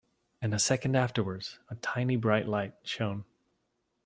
And a second afterwards, a tiny bright light shone.